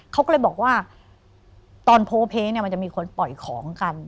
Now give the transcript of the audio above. เขาก็เลยบอกว่าตอนโพลเพเนี่ยมันจะมีคนปล่อยของกัน